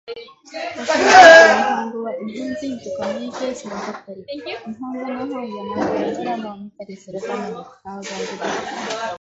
私にとって日本語は、日本人とコミュニケーションをとったり、日本語の本や漫画やドラマを見たりするために使う道具だ。